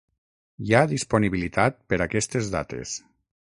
Hi ha disponibilitat per aquestes dates.